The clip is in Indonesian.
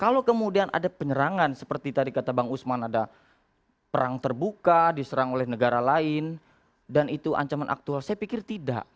kalau kemudian ada penyerangan seperti tadi kata bang usman ada perang terbuka diserang oleh negara lain dan itu ancaman aktual saya pikir tidak